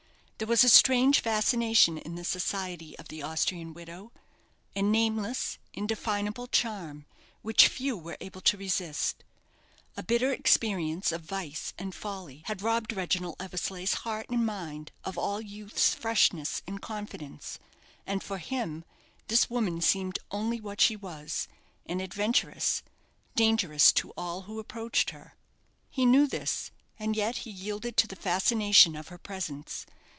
There was a strange fascination in the society of the Austrian widow a nameless, indefinable charm, which few were able to resist. A bitter experience of vice and folly had robbed Reginald Eversleigh's heart and mind of all youth's freshness and confidence, and for him this woman seemed only what she was, an adventuress, dangerous to all who approached her. He knew this, and yet he yielded to the fascination of her presence.